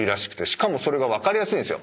しかもそれが分かりやすいんすよ。